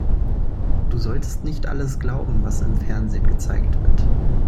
Du solltest nicht alles glauben, was im Fernsehen gezeigt wird.